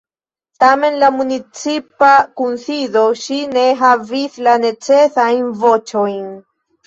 Tamen en la municipa kunsido ŝi ne havis la necesajn voĉojn.